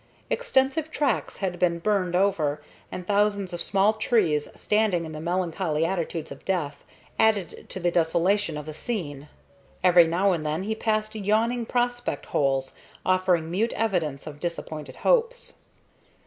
Extensive tracts had been burned over, and thousands of small trees, standing in the melancholy attitudes of death, added to the desolation of the scene. Every now and then he passed yawning prospect holes, offering mute evidence of disappointed hopes.